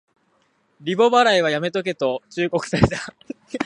リボ払いはやめとけと忠告された